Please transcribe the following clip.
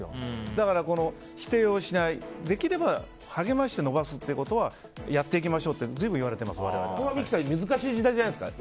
だから、否定をしないできれば、励まして伸ばすことはやっていきましょうって三木さん難しい時代じゃないですか。